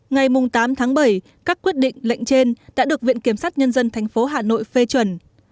ngày tám tháng bảy các quyết định lệnh trên đã được viện kiểm sát nhân dân tp hà nội phê chuẩn